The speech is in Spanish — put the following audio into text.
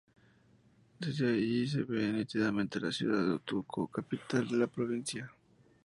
Desde allí se ve nítidamente la ciudad de Otuzco, capital de la provincia.